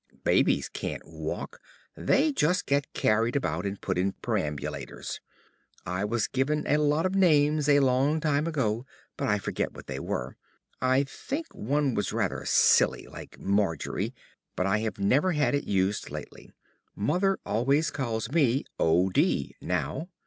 Babies can't walk, they just get carried about and put in perambulators. I was given a lot of names a long time ago, but I forget what they were. I think one was rather silly, like Margery, but I have never had it used lately. Mother always calls me O. D.